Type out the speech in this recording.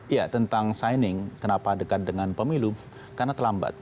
ya tentang signing kenapa dekat dengan pemilu karena terlambat